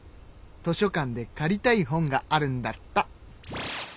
図書館で借りたい本があるんだった。